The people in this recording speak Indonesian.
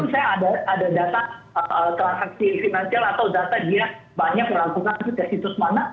misalnya ada data transaksi finansial atau data dia banyak melakukan ke situs mana